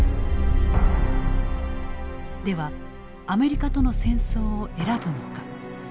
ではアメリカとの戦争を選ぶのか。